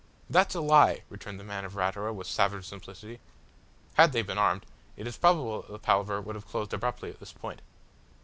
"That's a lie," returned the man of Ratura with savage simplicity. Had they been armed, it is probable that the palaver would have closed abruptly at this point.